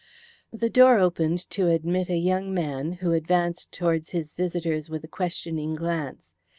The door opened to admit a young man, who advanced towards his visitors with a questioning glance.